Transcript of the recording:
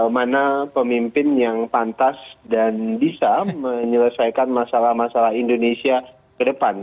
mana pemimpin yang pantas dan bisa menyelesaikan masalah masalah indonesia ke depan